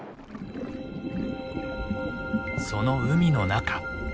その海の中。